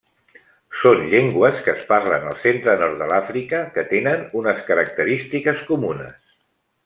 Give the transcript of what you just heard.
Són llengües que es parlen al centre nord de l'Àfrica que tenen unes característiques comunes.